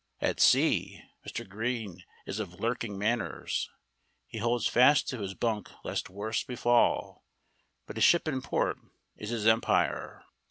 At sea Mr. Green is of lurking manners: he holds fast to his bunk lest worse befall; but a ship in port is his empire.